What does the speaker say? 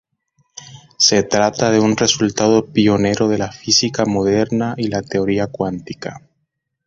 Se trata de un resultado pionero de la física moderna y la teoría cuántica.